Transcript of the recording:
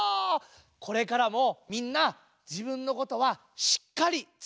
これからもみんなじぶんのことはしっかりつたえていこうね！